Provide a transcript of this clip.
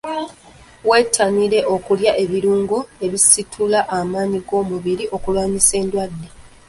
Wettanire okulya ebirungo ebisitula amaanyi g'omubiri okulwanyisa endwadde.